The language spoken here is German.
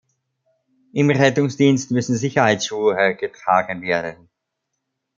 Im Rettungsdienst müssen Sicherheitsschuhe getragen werden.